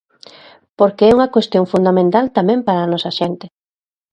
Porque é unha cuestión fundamental tamén para a nosa xente.